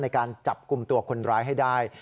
ในการจับกลุ่มตัวคนร้ายให้ได้